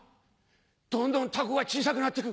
どんどん凧が小さくなってく。